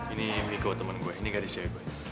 ini miko temen gue ini gadis cewek gue